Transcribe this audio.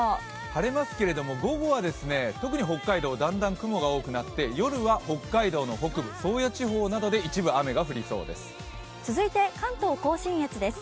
晴れますけれども、午後は特に北海道、だんだん雲が多くなって、夜は北海道の北部、宗谷地方などで一部雨が降りそうです。